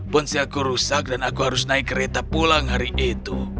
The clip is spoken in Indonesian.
ponsel aku rusak dan aku harus naik kereta pulang hari itu